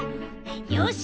よし！